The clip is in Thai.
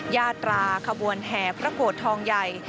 ญาตราขบวนแห่พระโกรธทองใหญ่